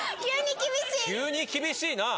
急に厳しいな。